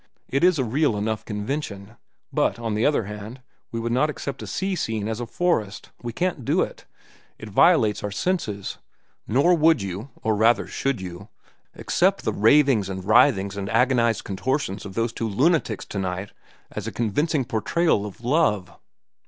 It is a real enough convention. But, on the other hand, we would not accept a sea scene as a forest. We can't do it. It violates our senses. Nor would you, or, rather, should you, accept the ravings and writhings and agonized contortions of those two lunatics to night as a convincing portrayal of love."